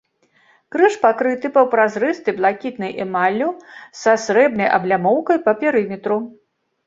Крыж пакрыты паўпразрыстай блакітнай эмаллю, са срэбнай аблямоўкай па перыметру.